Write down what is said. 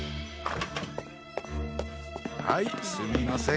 はいすみません。